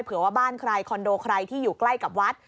เผื่อว่าบ้านใครคอนโดใครที่อยู่ใกล้กับวัด